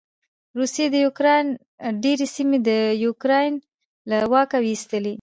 روسې د يوکراین ډېرې سېمې د یوکراين له واکه واېستلې.